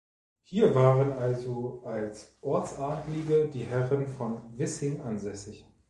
Hier waren also als Ortsadelige die Herren von Wissing ansässig.